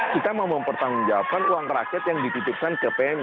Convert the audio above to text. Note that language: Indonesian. kita mau mempertanggungjawabkan uang rakyat yang dititipkan ke pmi